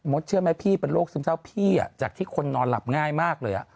เชื่อไหมพี่เป็นโรคซึมเศร้าพี่จากที่คนนอนหลับง่ายมากเลย